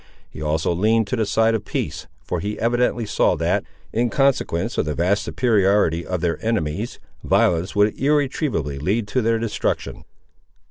He also leaned to the side of peace, for he evidently saw that, in consequence of the vast superiority of their enemies, violence would irretrievably lead to their destruction.